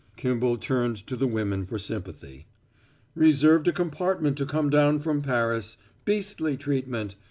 Kimball turned to the women for sympathy. "Reserved a compartment to come down from Paris. Beastly treatment.